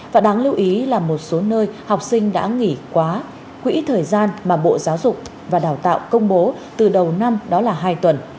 và đáng lưu ý là một số nơi học sinh đã nghỉ quá quỹ thời gian mà bộ giáo dục và đào tạo công bố từ đầu năm đó là hai tuần